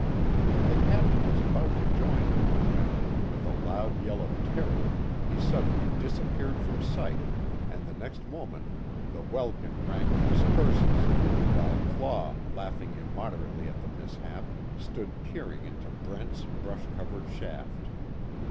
The Captain was about to join him when, with a loud yell of terror, he suddenly disappeared from sight, and the next moment the welkin rang with his curses, while Claw laughing immoderately at the mishap, stood peering into Brent's brush covered shaft.